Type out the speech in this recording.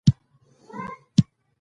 • غونډۍ د وچکالۍ مخنیوی کوي.